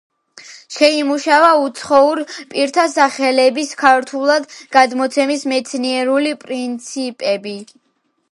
შეიმუშავა უცხოურ პირთა სახელების ქართულად გადმოცემის მეცნიერული პრინციპები.